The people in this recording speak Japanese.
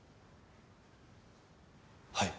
はい。